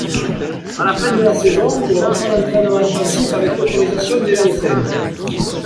À la fin de la saison, il reprend l'entraînement intensif avec l'autorisation des médecins.